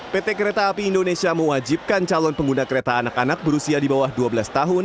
pt kereta api indonesia mewajibkan calon pengguna kereta anak anak berusia di bawah dua belas tahun